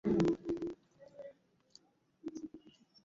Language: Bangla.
দেরি করেছি বলে সেদিন তোমাকে কোলে নিয়ে সারা রাত আমি ঘুরেছিলাম।